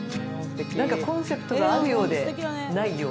何かコンセプトがあるようでないような。